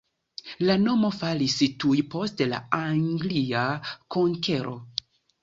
La nomo falis tuj post la anglia konkero.